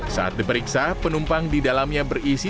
saat diperiksa penumpang di dalamnya berisi